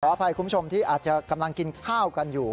อภัยคุณผู้ชมที่อาจจะกำลังกินข้าวกันอยู่